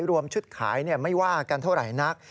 รวมชุดขายไม่ว่ากันเท่าไหร่นัก